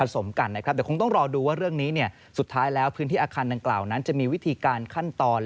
แต่ต้องรอดูว่าสุดท้ายแล้วพื้นที่อาคารจะมีวิธีการขั้นตอน